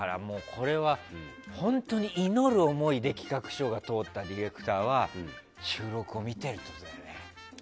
これは、本当に祈る思いで企画書が通ったディレクターは収録を見てるってことだね。